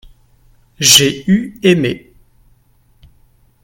j'ai eu aimé.